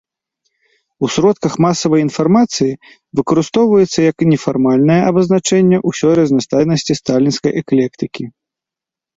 У сродках масавай інфармацыі выкарыстоўваецца як нефармальная абазначэнне усёй разнастайнасці сталінскай эклектыкі.